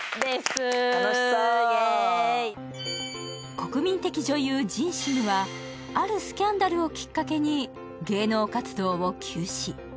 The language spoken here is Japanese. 国民的女優・ジンシムはあるスキャンダルをきっかけに芸能活動を休止。